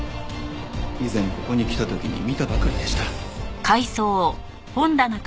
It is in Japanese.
以前ここに来た時に見たばかりでした。